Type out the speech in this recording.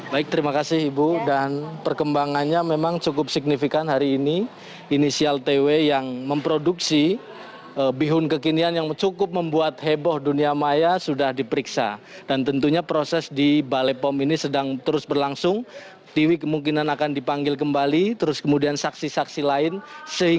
badan pengawasan obat dan makanan bepom mengeluarkan rilis hasil penggerbekan tempat produksi bihun berdesain bikini